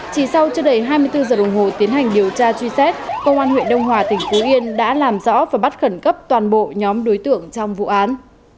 chỉ sau chưa đầy hai mươi bốn giờ đồng hồ tiến hành điều tra truy xét công an huyện đông hòa tỉnh phú yên đã làm rõ và bắt khẩn cấp toàn bộ nhóm đối tượng trong vụ án